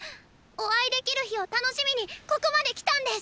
お会いできる日を楽しみにここまで来たんです！